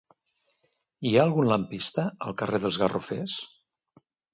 Hi ha algun lampista al carrer dels Garrofers?